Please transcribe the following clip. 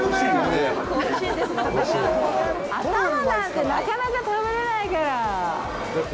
頭なんてなかなか食べれないから。